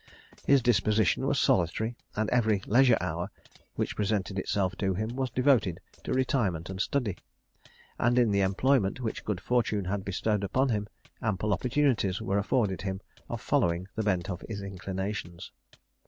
His disposition was solitary, and every leisure hour which presented itself to him was devoted to retirement and study; and in the employment which good fortune had bestowed upon him, ample opportunities were afforded him of following the bent of his inclinations.